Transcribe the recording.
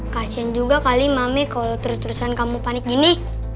kasian juga kali mame kalau terus terusan kamu panik gini